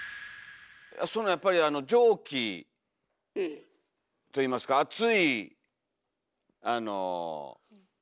やっぱり蒸気といいますか熱いあの。